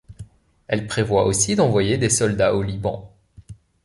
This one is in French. Elle prévoit aussi d'envoyer des soldats au Liban.